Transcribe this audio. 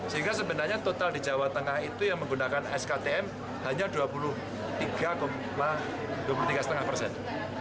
sehingga sebenarnya total di jawa tengah itu yang menggunakan sktm hanya dua puluh tiga dua puluh tiga lima persen